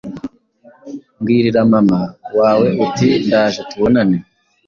Mbwirira maman wawe uti ndaje tubonane